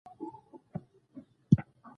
د مومن خان عقل لنډ و.